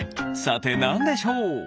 さてなんでしょう？